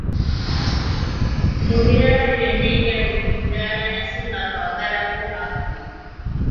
Mu bibala byonna ebyali ku mudaala nasinga kwagalako apo.